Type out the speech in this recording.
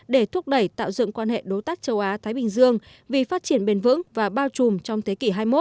để thúc đẩy tạo dựng quan hệ đối tác châu á thái bình dương vì phát triển bền vững và bao trùm trong thế kỷ hai mươi một